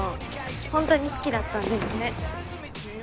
本当に好きだったんですね。